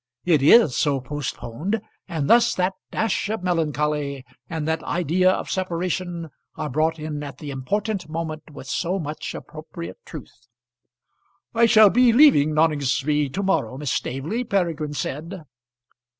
It is so postponed, and thus that dash of melancholy, and that idea of separation are brought in at the important moment with so much appropriate truth. "I shall be leaving Noningsby to morrow, Miss Staveley," Peregrine said.